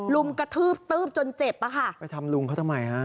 รุมกระทืบตื๊บจนเจ็บอ่ะค่ะไปทำลุงเขาทำไมฮะ